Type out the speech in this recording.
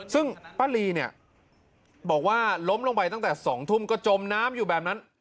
ซึ่งป้าลีเนี่ยบอกว่าล้มลงไปตั้งแต่๒ทุ่มก็จมน้ำอยู่แบบนั้น